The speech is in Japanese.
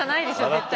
絶対。